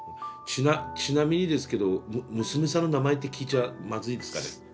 ちなみにですけど娘さんの名前って聞いちゃまずいですかね。